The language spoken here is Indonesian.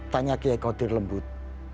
tanya giai kodir lembut